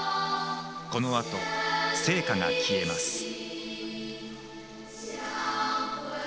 このあと聖火が消えます。